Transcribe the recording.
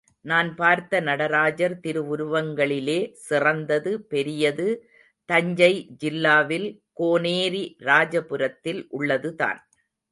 நான் பார்த்த நடராஜர் திருவுருவங்களிலே சிறந்தது, பெரியது, தஞ்சை ஜில்லாவில் கோனேரி ராஜபுரத்தில் உள்ளதுதான்.